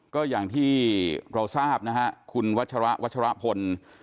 ก็อย่างที่เราทราบนะฮะคุณวัชระวัชรพล